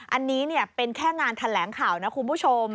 อันนี้เป็นแค่งานแถลงข่าวนะคุณผู้ชม